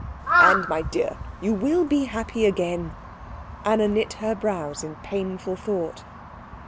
"And, my dear, you will be happy again." Anna knit her brows in painful thought.